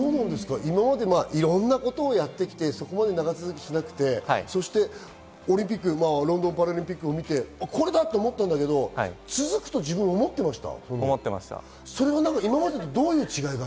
いろんなことをやってきて、そこまで長続きしなくてロンドンパラリンピックを見て、これだと思ったんだけれども、続くと自分は思ってました。